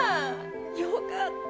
よかった。